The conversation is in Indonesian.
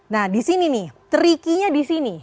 nah di sini nih trickynya di sini